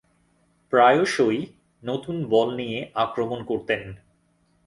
প্রায়শঃই নতুন বল নিয়ে আক্রমণ করতেন।